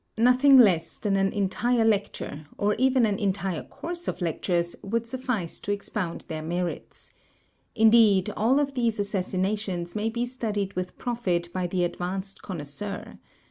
Nothing less than an entire lecture, or even an entire course of lectures, would suffice to expoimd their merits. Indeed, all of these assassinations may be studied with profit by the advanced connoisseur.